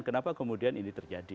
kenapa kemudian ini terjadi